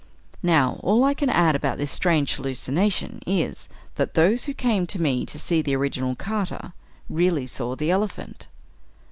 Now, all I can add about this strange hallucination is, that those who came to me to see the original "Carter," really saw the "Elephant."